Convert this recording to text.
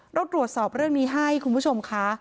เราตรวจสอบเรื่องนี้ให้คุณผู้ชมค่ะ